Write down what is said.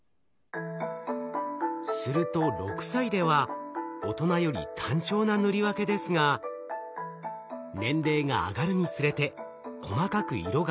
すると６歳では大人より単調な塗り分けですが年齢が上がるにつれて細かく色が分かれます。